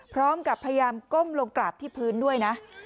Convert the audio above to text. พร้อมกับพยายามก้มลงกราบที่พื้นด้วยนะ